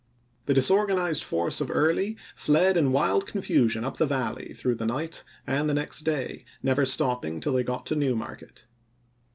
The disorganized force of Early fled in wild confusion up the Valley through the night and the next day, never stopping till they got to New Market.